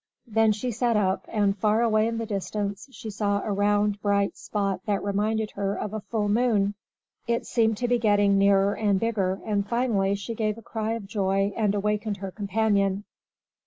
Then she sat up, and, far away in the distance, she saw a round, bright spot that reminded her of a full moon. It seemed to be getting nearer and bigger, and finally she gave a cry of joy and awakened her companion.